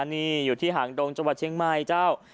นี่อยู่ที่หางดงจังหวัดเชียงใหม่เจ้า